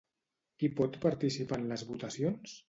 Qui pot participar en les votacions?